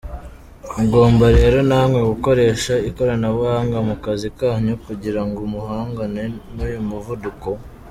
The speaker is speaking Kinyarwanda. Mugomba rero namwe gukoresha ikoranabuhanga mu kazi kanyu kugira ngo muhangane n’uyu muvuduko”.